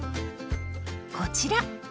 こちら！